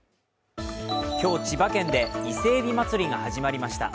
今日、千葉県で伊勢えび祭りが始まりました。